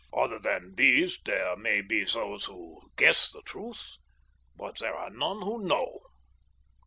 Other than these there may be those who guess the truth, but there are none who know."